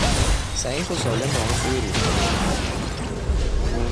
صحیح و سالم به آن سوی رودخانه شنا کرد.